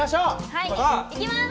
はいいきます！